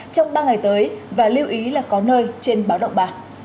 trong ba ngày tới và lưu ý là có nơi trên báo động ba